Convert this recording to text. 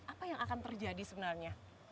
apa yang akan terjadi sebenarnya